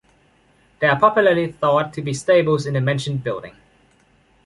There are popularly thought to be stables in the mentioned building.